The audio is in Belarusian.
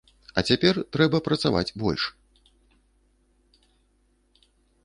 А цяпер трэба працаваць больш.